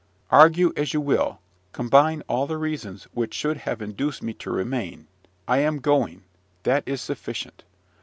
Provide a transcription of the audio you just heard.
Argue as you will, combine all the reasons which should have induced me to remain, I am going: that is sufficient.